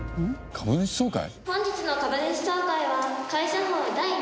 株主総会？